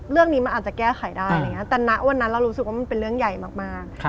เรื่องนี้มันอาจจะแก้ไขได้อะไรอย่างนี้แต่ณวันนั้นเรารู้สึกว่ามันเป็นเรื่องใหญ่มาก